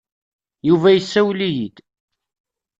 Yuba yessawel-iyi-d.